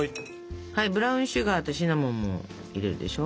ブラウンシュガーとシナモンも入れるでしょ。